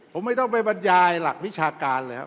ผมไม่ต้องไปบรรยายหลักวิชาการเลยครับ